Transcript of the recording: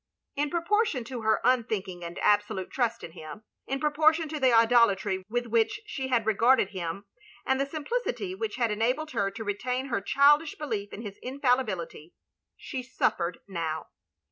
In proportion to her unthinking and absolute trust in him; in proportion to the idolatry with which she had regarded him, and the simplicity which had enabled her to retain her childish belief in his infallibility — she suffered now.